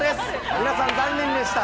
皆さん、残念でした。